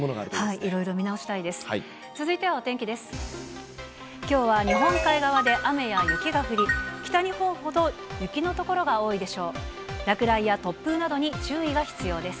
いろいろ見直したいです。